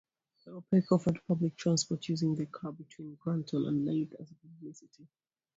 Peck offered public transport using the car, between Granton and Leith as publicity.